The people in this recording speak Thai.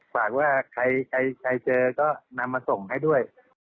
ฝากว่าใครเจอก็นำมาส่งให้ด้วย